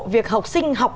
việc học sinh học